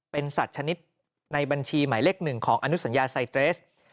เป็นสัตว์ชนิดในบัญชีหมายเลข๑ของอนุสัญญาไซเตรส